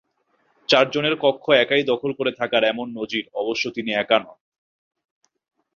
চারজনের কক্ষ একাই দখল করে থাকার এমন নজির অবশ্য তিনি একা নন।